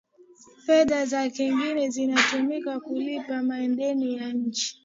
fedha za kigeni zinatumika kulipia madeni ya nje